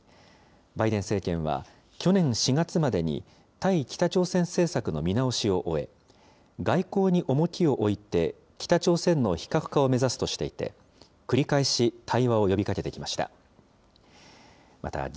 バイデン政権は、去年４月までに対北朝鮮政策の見直しを終え、外交に重きを置いて北朝鮮の非核化を目指すとしていて、繰り返し対話を呼びかけてきました。